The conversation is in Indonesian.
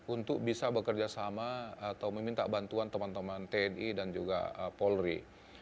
untuk bisa bekerja sama atau meminta bantuan teman teman tni dan juga polri